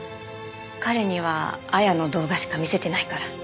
彼には亜弥の動画しか見せてないから。